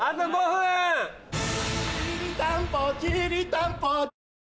きりたんぽきりたんぽ。